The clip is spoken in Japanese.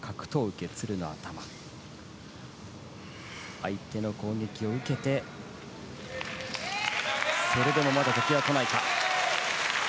相手の攻撃を受けてそれでもまだ敵は来ないか。